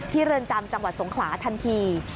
เรือนจำจังหวัดสงขลาทันที